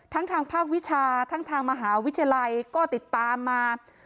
ทางภาควิชาทั้งทางมหาวิทยาลัยก็ติดตามมา